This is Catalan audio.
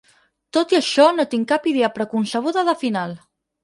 Tot i això, no tinc cap idea preconcebuda de final.